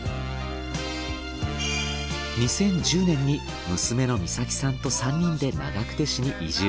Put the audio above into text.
２０１０年に娘の実咲さんと３人で長久手市に移住。